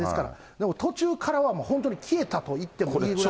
でも、途中からはもう本当に消えたといってもいいぐらいの。